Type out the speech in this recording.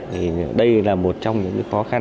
thì đây là một trong những khó khăn